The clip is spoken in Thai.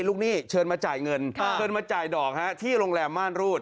หนี้เชิญมาจ่ายเงินเชิญมาจ่ายดอกที่โรงแรมม่านรูด